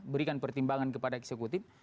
berikan pertimbangan kepada eksekutif